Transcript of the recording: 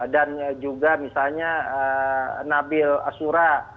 dan juga misalnya nabil asura